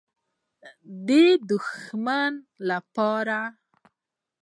_د دښمن له پاره.